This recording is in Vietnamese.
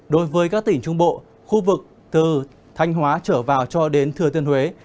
đối với các tỉnh trung bộ khu vực từ thanh hóa trở vào cho đến thừa thiên huế